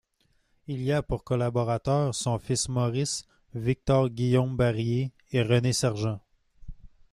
Il y a pour collaborateurs son fils Maurice, Victor-Guillaume Bariller et René Sergent.